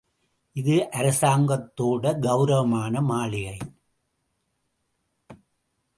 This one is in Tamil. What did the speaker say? இது அரசாங்கத்தோட கெளரவமான மாளிகை.